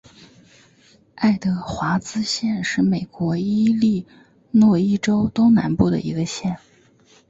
爱德华兹县是美国伊利诺伊州东南部的一个县。